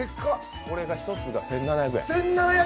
これ１つが１７００円。